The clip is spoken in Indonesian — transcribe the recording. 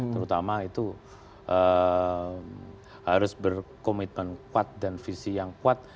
terutama itu harus berkomitmen kuat dan visi yang kuat